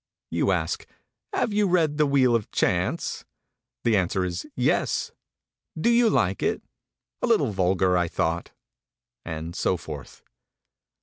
You ask: Have you read the Wheels of Chance? The answer is "Yes." "Do you like it?" "A little vulgar, I thought." And so forth.